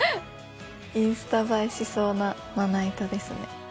インスタ映えしそうなまな板ですね。